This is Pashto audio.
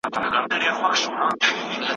طلاقه سوې ميرمن له خپلو اولادونو څخه مه محروموئ.